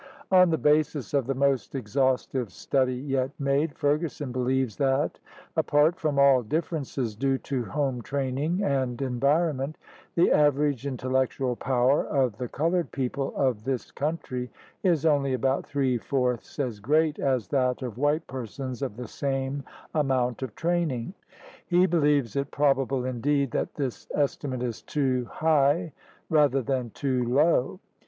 On the basis of the most exhaustive study yet made, Ferguson believes that, apart from all differ ences due to home training and environment, the average intellectual power of the colored people of this country is only about three fourths as great as that of white persons of the same amount of train ing. He believes it probable, indeed, that this estimate is too high rather than too low.